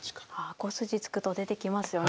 ５筋突くと出てきますよね